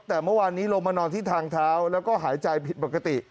แต่เมื่อวานนี้ลงมานอนที่ทางเท้าแล้วก็หายใจผิดปกติ